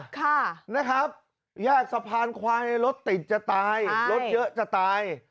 ค่ะนะครับญาติสะพานควายในรถติดจะตายรถเยอะจะตาย